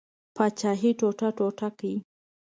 پاچهي ټوټه ټوټه کړي.